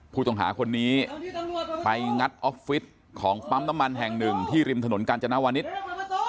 ผู้ต้องหาคนนี้ไปงัดออฟฟิศของปั๊มน้ำมันแห่งหนึ่งที่ริมถนนกาญจนวนิษฐ์